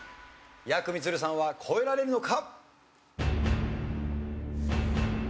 やくみつるさんは越えられるのか？